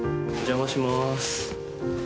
お邪魔しまーす。